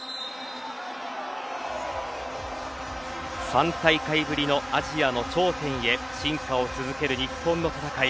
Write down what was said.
３大会ぶりのアジアの頂点へ進化を続ける日本の戦い。